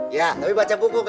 iya tapi baca buku kak yusuf ya